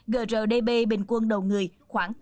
grdb bình quân đầu người khoảng tám năm trăm linh chín usd